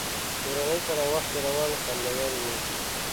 کورنۍ سره وخت تېرول خوندور وي.